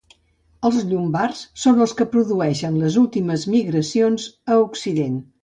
Els llombards són els que produeixen les últimes migracions a Occident.